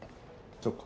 そっか。